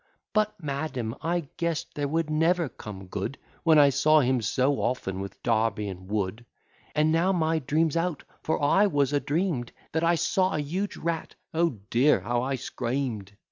But, madam, I guess'd there would never come good, When I saw him so often with Darby and Wood. And now my dream's out; for I was a dream'd That I saw a huge rat O dear, how I scream'd!